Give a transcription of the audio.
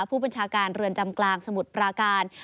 ผู้บัญชาการเรือนจำกลางสมุทรปราการ